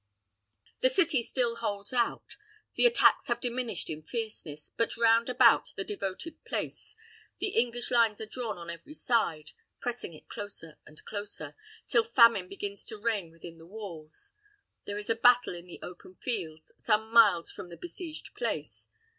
The city still holds out; the attacks have diminished in fierceness; but round about the devoted place the English lines are drawn on every side, pressing it closer and closer, till famine begins to reign within the walls. There is a battle in the open fields, some miles from the besieged place.